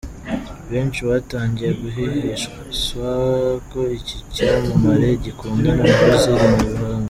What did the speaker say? Benshi batangiye guhwihwisa ko iki cyamamare gikundana na Ozil mu ibanga.